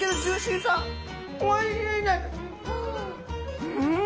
うん。